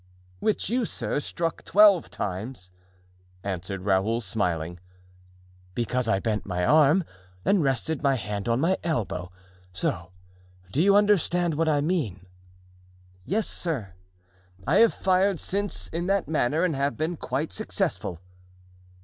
"Which you, sir, struck twelve times," answered Raoul, smiling. "Because I bent my arm and rested my hand on my elbow—so; do you understand what I mean?" "Yes, sir. I have fired since in that manner and have been quite successful."